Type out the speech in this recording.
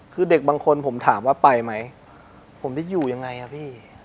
คือเด็กบางคนผมถามว่าไปไหมผมจะอยู่ยังไงอ่ะพี่